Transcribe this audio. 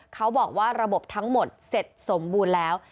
เขาบอกว่าระบบทั้งหมดเสร็จสมบูรณ์แล้ว